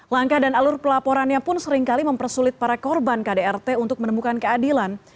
langkah dan alur pelaporannya pun seringkali mempersulit para korban kdrt untuk menemukan keadilan